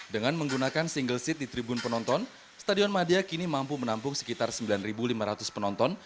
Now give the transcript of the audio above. dengan menggunakan single seat di tribun penonton stadion madia kini mampu menampung sekitar sembilan lima ratus penonton